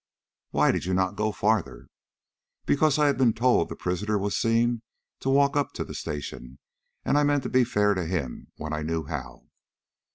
"Why did you not go farther?" "Because I had been told the prisoner was seen to walk up to the station, and I meant to be fair to him when I knew how."